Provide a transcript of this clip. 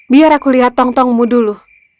biar aku lihat tong tongmu dulu